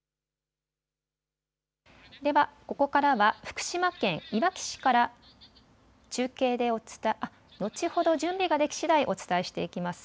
ではここからは福島県いわき市から後ほど準備ができしだいお伝えしていきます。